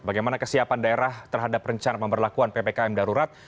bagaimana kesiapan daerah terhadap rencana pemberlakuan ppkm darurat